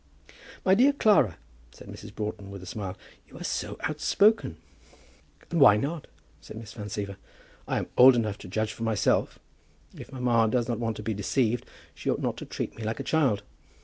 "My dear Clara," said Mrs. Broughton with a smile, "you are so outspoken!" "And why not?" said Miss Van Siever. "I am old enough to judge for myself. If mamma does not want to be deceived, she ought not to treat me like a child.